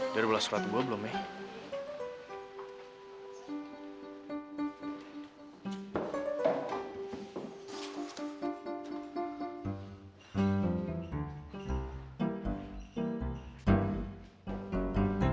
dari bola sepatu gue belum ya